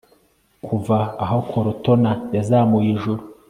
Kuva aho Cortona yazamuye ijuru